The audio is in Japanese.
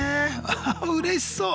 ああうれしそう。